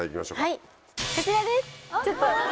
はいこちらです。